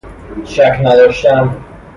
شک نداشتن